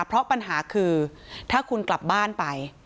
เพราะปัญหาคือถ้าคุณกลับบ้านไป